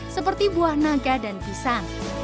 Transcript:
seperti buah naga dan pisang